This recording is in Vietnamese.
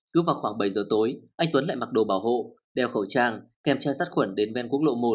cứ vào khoảng bảy giờ tối anh tuấn lại mặc đồ bảo hộ đeo khẩu trang kèm che sắt khuẩn đến ven quốc lộ một